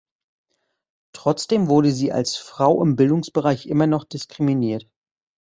Trotzdem wurde sie als Frau im Bildungsbereich immer noch diskriminiert.